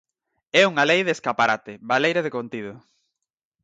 É unha lei de escaparate, baleira de contido.